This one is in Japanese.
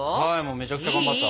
めちゃくちゃ頑張った。